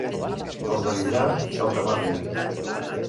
Els de Vidrà, saltamarges.